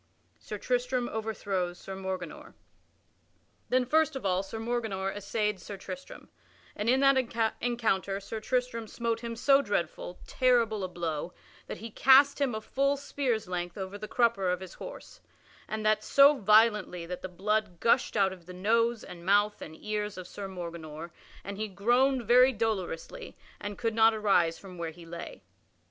[Sidenote: Sir Tristram overthrows Sir Morganor] Then first of all Sir Morganor essayed Sir Tristram, and in that encounter Sir Tristram smote him so dreadful, terrible a blow that he cast him a full spear's length over the crupper of his horse, and that so violently that the blood gushed out of the nose and mouth and ears of Sir Morganor, and he groaned very dolorously and could not arise from where he lay.